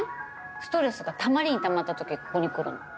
ストレスがたまりにたまったときここに来るの。